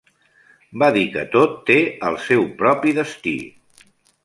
Va dir que tot té el seu propi destí.